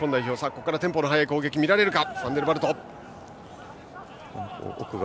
ここからテンポの速い攻撃が見られるか。